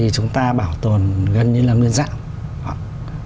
còn gần như là nguyên dạng